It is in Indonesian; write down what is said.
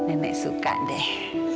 nenek suka deh